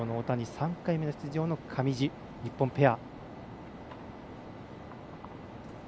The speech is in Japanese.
３回目の出場の上地、日本ペア。